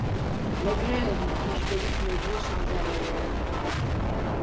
მეგრელები ვგიჟდებით მეგრულ სამზარეულოზე.